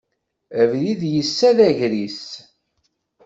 Abrid yessa d agris.